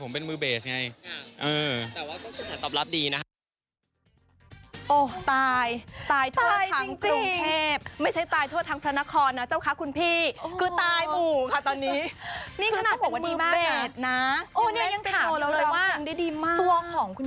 มือใจฉันเกิดมาเพื่อเป็นของเธอ